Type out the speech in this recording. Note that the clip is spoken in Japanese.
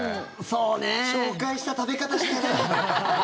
紹介した食べ方してる！